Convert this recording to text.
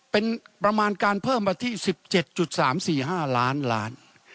เป็นประมาณการเพิ่มมาที่๑๗๓๔๕ล้านล้าน